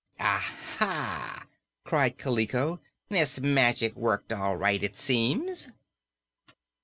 "Aha!" cried Kaliko; "this magic worked all right, it seems.